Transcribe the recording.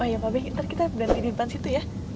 oh ya pak bek ntar kita berhenti di depan situ ya